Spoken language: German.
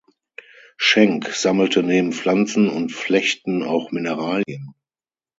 Schenk sammelte neben Pflanzen und Flechten auch Mineralien.